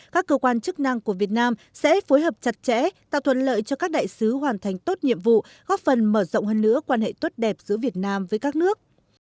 các cơ quan chức năng của việt nam sẽ phối hợp chặt chẽ tạo thuận lợi cho các đại sứ hoàn thành tốt nhiệm vụ góp phần mở rộng hơn nữa quan hệ tốt đẹp giữa việt nam với các nước